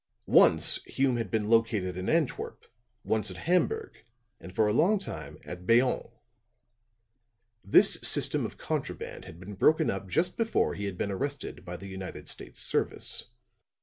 Once Hume had been located in Antwerp, once at Hamburg, and for a long time at Bayonne. This system of contraband had been broken up just before he had been arrested by the United States service.